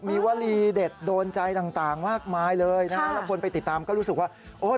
มีวลีเด็ดโดนใจต่างมากมายเลยนะฮะแล้วคนไปติดตามก็รู้สึกว่าโอ้ย